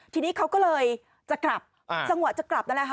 ที่นี้เขาก็เลยจะกลับ